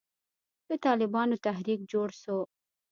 د طالبانو تحريک جوړ سو.